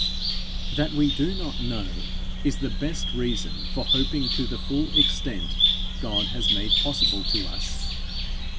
That we do not know, is the best reason for hoping to the full extent God has made possible to us.